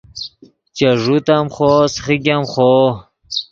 چے ݱوت ام خوو سیخیګ ام خوو